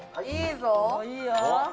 「いいよ」